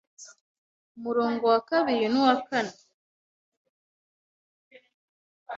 Umurongo wa kabiri nuwa kanes